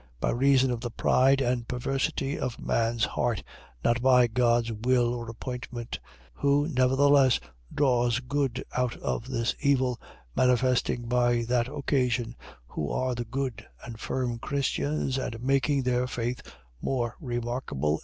. .By reason of the pride and perversity of man's heart; not by God's will or appointment; who nevertheless draws good out of this evil, manifesting, by that occasion, who are the good and firm Christians, and making their faith more remarkable.